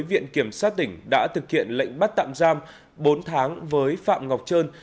viện kiểm sát tỉnh đã thực hiện lệnh bắt tạm giam bốn tháng với phạm ngọc trơn